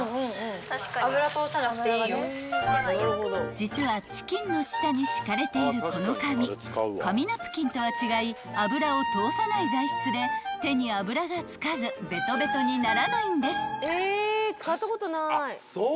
［実はチキンの下に敷かれているこの紙紙ナプキンとは違い油を通さない材質で手に油がつかずベトベトにならないんです］